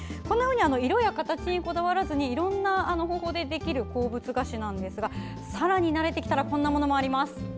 色や形にこだわらずにいろんな方法でできる鉱物菓子ですがさらに慣れてきたらこんなものもあります。